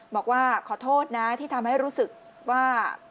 บอกว่าขอโทษนะที่ทำให้รู้สึกว่า